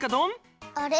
あれ？